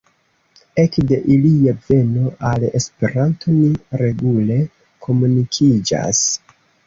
Ekde ilia veno al Esperanto ni regule komunikiĝas.